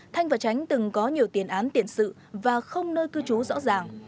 thanh và tránh từng có nhiều tiền án tiền sự và không nơi cư trú rõ ràng